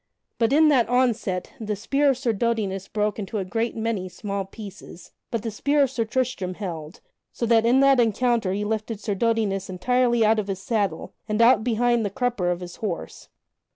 But in that onset the spear of Sir Dodinas broke into a great many small pieces, but the spear of Sir Tristram held, so that in the encounter he lifted Sir Dodinas entirely out of his saddle, and out behind the crupper of his horse.